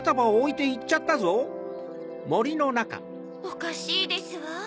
おかしいですわ。